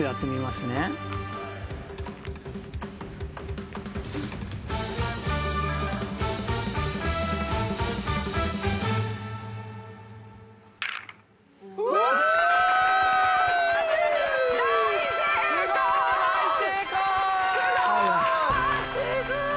すごい！